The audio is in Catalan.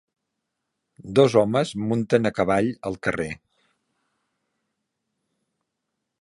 Dos homes munten a cavall al carrer